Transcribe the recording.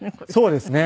そうですね。